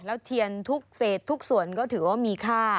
แล้วเทียนทุกเศษทุกส่วนก็ถือว่ามีค่า